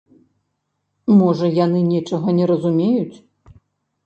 Можа, яны нечага не разумеюць.